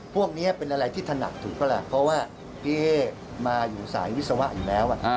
พวกนี้เป็นอะไรที่ถนัดถูกปะล่ะเพราะว่าพี่เอ๊มาอยู่สายวิศวะอยู่แล้ว